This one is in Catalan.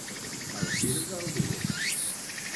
Al fil del dia.